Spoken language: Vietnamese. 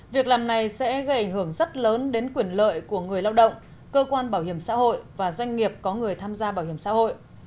việc làm này sẽ gây ảnh hưởng rất lớn đến quyền lợi của người lao động cơ quan bảo hiểm xã hội và doanh nghiệp có người tham gia bảo hiểm xã hội